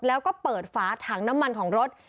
แล้วก็เปิดฝาถังน้ำมันของรถ